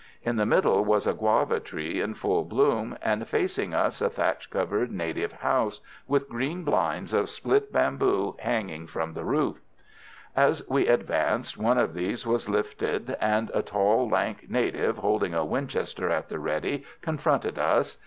In the middle was a guava tree in full bloom, and facing us a thatch covered native house, with green blinds of split bamboo hanging from the roof. As we advanced one of these was lifted, and a tall, lank native, holding a Winchester at the "ready," confronted us.